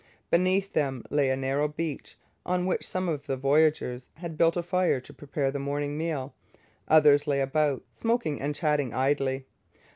Beneath them lay a narrow beach, on which some of the voyageurs had built a fire to prepare the morning meal. Others lay about, smoking and chatting idly.